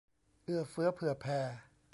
เอื้อเฟื้อเผื่อแผ่